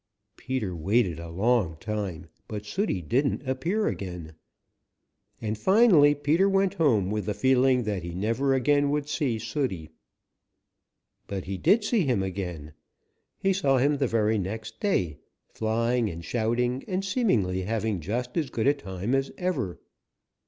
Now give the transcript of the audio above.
Peter waited a long time, but Sooty didn't appear again, and finally Peter went home with the feeling that he never again would see Sooty. But he did see him again. He saw him the very next day, flying and shouting and seemingly having just as good a time as ever.